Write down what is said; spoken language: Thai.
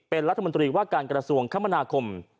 เป็นรัฐมนตรีว่าการกระทรวงคมนาคม